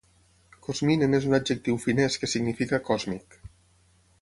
"Kosminen" és un adjectiu finès que significa "còsmic".